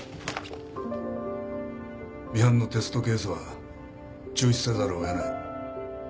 ミハンのテストケースは中止せざるを得ない。